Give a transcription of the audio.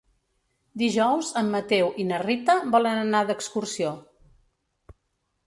Dijous en Mateu i na Rita volen anar d'excursió.